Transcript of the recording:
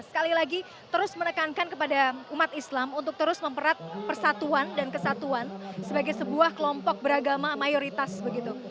sekali lagi terus menekankan kepada umat islam untuk terus memperat persatuan dan kesatuan sebagai sebuah kelompok beragama mayoritas begitu